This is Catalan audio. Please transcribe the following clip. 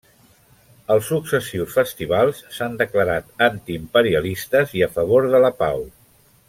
Els successius festivals s'han declarat antiimperialistes i a favor de la pau.